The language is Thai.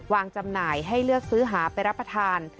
จำหน่ายให้เลือกซื้อหาไปรับประทาน